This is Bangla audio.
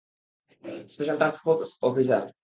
Special task force officer.